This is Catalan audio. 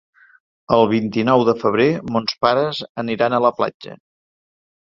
El vint-i-nou de febrer mons pares aniran a la platja.